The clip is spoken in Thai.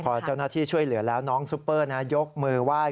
พอเจ้าหน้าที่ช่วยเหลือแล้วน้องซุปเปอร์ยกมือไหว้